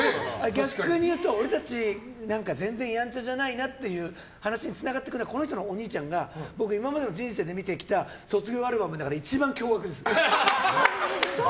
逆に言うと俺たち全然やんちゃじゃないなって話につながってくるからこの人のお兄ちゃんが僕、今までの人生で見てきた卒業アルバムの中で一番凶悪です。